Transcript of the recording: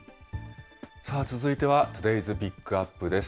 続いてはトゥデイズ・ピックアップです。